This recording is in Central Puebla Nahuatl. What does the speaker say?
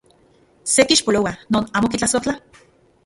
¿Se kixpoloa non amo kitlasojtla?